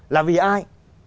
là vì ai